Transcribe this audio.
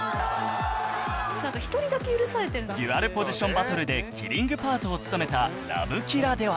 デュアルポジションバトルでキリングパートを務めた『ＬｏｖｅＫｉｌｌａ』では